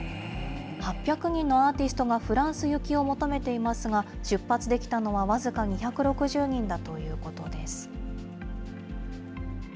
８００人のアーティストがフランス行きを求めていますが、出発できたのは僅か２６０人だということです。